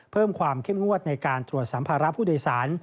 เพิ่มความเข้มงวดในการตรวจสัมภาระผู้โดยสาร